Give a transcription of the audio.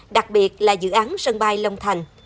đặc biệt là dự án sân bay long thành